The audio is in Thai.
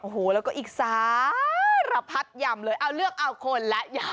โอ้โหแล้วก็อีกสารพัดยำเลยเอาเลือกเอาคนและยำ